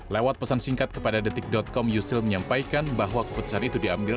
lewat pesan singkat kepada detik com yusril menyampaikan bahwa keputusan itu diambil